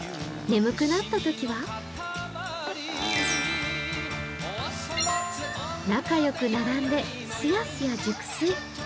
眠くなったときは仲よく並んでスヤスヤ熟睡。